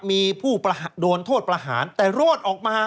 มีผู้โดนโทษประหารแต่รอดออกมา